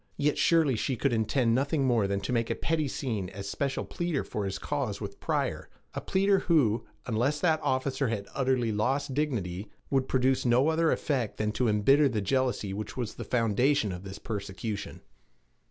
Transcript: Yet surely she could intend nothing more than to make a pretty scene as special pleader for his cause with Pryor a pleader who, unless that officer had utterly lost dignity, would produce no other effect than to embitter the jealousy which was the foundation of this persecution.